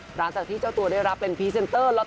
หลังจากที่เจ้าตัวได้รับเป็นพรีเซนเตอร์ลอตเตอรี่ออนไลน์